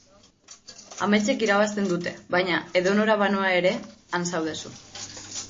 Ametsek irabazten dute, baina, edonora banoa ere, han zaude zu.